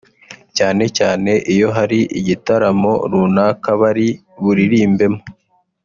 cyane cyane iyo hari igitaramo runaka bari buririmbemo